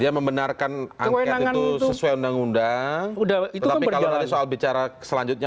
iya pansus ini jalan dulu